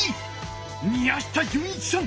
宮下純一さん。